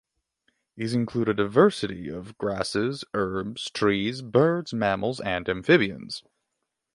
These include a diversity of grasses, herbs, trees, birds, mammals and amphibians.